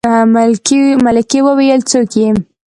ملکې وويلې څوک يې.